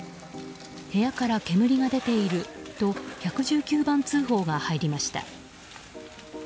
部屋から煙が出ていると１１９番通報が入りました。